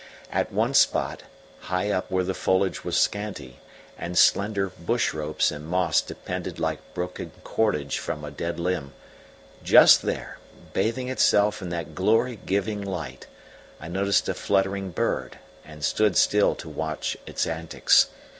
At one spot, high up where the foliage was scanty, and slender bush ropes and moss depended like broken cordage from a dead limb just there, bathing itself in that glory giving light, I noticed a fluttering bird, and stood still to watch its antics.